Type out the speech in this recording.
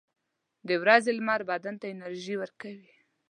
• د ورځې لمر بدن ته انرژي ورکوي.